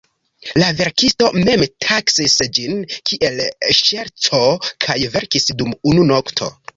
La verkisto mem taksis ĝin kiel "ŝerco" kaj verkis dum unu nokto.